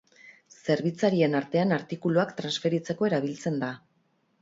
Zerbitzarien artean artikuluak transferitzeko erabiltzen da.